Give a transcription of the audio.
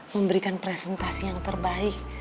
memberikan presentasi yang terbaik